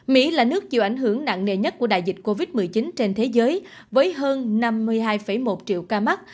mỹ là nước chịu ảnh hưởng nặng nề nhất của đại dịch covid một mươi chín trên thế giới với hơn năm mươi hai một triệu ca mắc